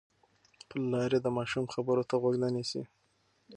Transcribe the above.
پلار یې د ماشوم خبرو ته غوږ نه نیسي.